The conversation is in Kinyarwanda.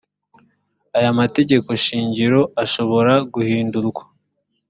aya mategeko shingiro ashobora guhindurwa